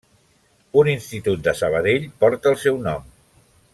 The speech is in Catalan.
Un institut de Sabadell porta el seu nom.